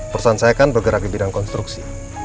perusahaan saya kan bergerak di bidang konstruksi